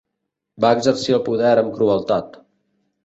Va exercir el poder amb crueltat.